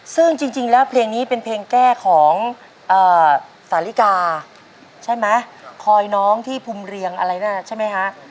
ซึ่งจริงแล้วเพลงนี้เป็นเพลงแก้ของสาลิกาใช่ไหมคอยน้องที่ภูมิเรียงอะไรนะใช่ไหมฮะ